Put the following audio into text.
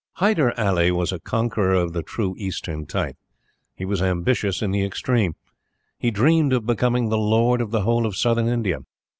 Hyder Ali was a conqueror of the true Eastern type. He was ambitious in the extreme. He dreamed of becoming the Lord of the whole of Southern India.